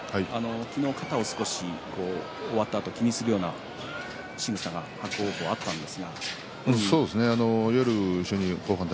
昨日、肩を少し終わったあと気にするようなしぐさがありましたね